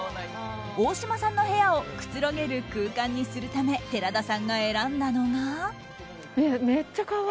大島さんの部屋をくつろげる空間にするため寺田さんが選んだのが。